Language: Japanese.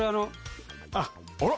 あら！